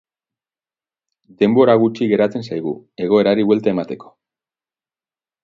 Denbora gutxi geratzen zaigu egoerari buelta emateko.